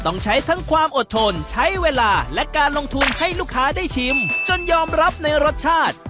ต้องใช้ทั้งความอดทนใช้เวลาและการลงทุนให้ลูกค้าได้ชิมจนยอมรับในรสชาติ